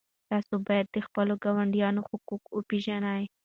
تاسو باید د خپلو ګاونډیانو حقوق وپېژنئ.